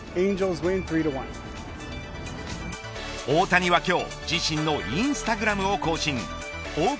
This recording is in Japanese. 大谷は今日、自身のインスタグラムを更新。